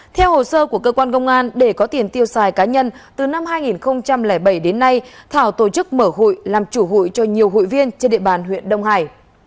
theo hồ sơ của cơ quan công an để có tiền tiêu xài cá nhân từ năm hai nghìn bảy đến nay thảo tổ chức mở hội làm chủ hụi cho nhiều hụi viên trên địa bàn huyện đông hải